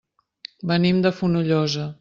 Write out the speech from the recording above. Venim de Fonollosa.